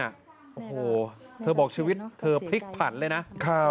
โอ้โหเธอบอกชีวิตเธอพลิกผันเลยนะ